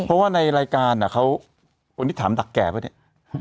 เพราะว่าในรายการเขาคนที่ถามดักแก่ป่ะเนี่ย